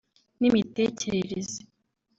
n’imitekerereze